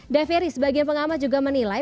da ferry sebagian pengamat juga menilai